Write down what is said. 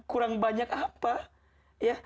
kurang banyak apa